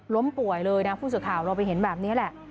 ล้มป่วยเลยนะผู้สื่อข่าวเราไปเห็นแบบนี้แหละ